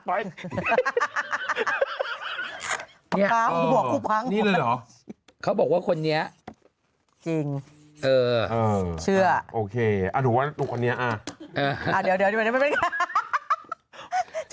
ปากกาวบอกครูพังนี่เลยเหรอ